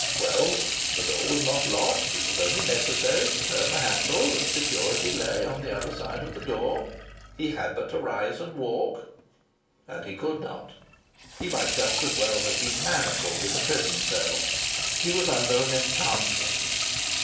Well, the door was not locked. It was only necessary to turn the handle, and security lay on the other side of the door! He had but to rise and walk. And he could not. He might just as well have been manacled in a prison cell. He was under an enchantment.